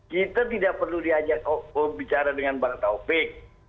kita tidak perlu diajak bicara dengan bang taufik